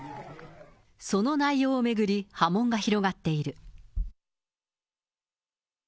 その内容を巡り、波紋が広がっている。